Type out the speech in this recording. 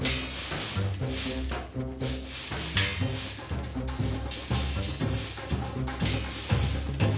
あっ。